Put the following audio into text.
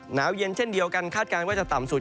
หนาวเย็นเช่นเดียวกันคาดการณ์ว่าจะต่ำสุด